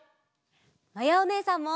まやおねえさんも！